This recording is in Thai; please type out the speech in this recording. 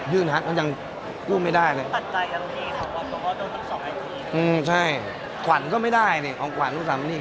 ยืนรหัสก็ยังไม่ได้เลยอืมใช่ขวันก็ไม่ได้นี่ของขวันลูกสาวนี้